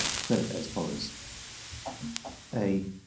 Credit as follows: (a) 1.